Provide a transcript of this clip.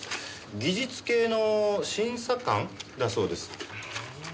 技術系の審査官だそうです。